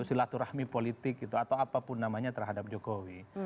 silaturahmi politik gitu atau apapun namanya terhadap jokowi